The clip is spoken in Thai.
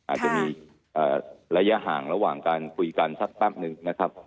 อาจจะมีระยะห่างระหว่างการคุยกันสักแป๊บหนึ่งนะครับ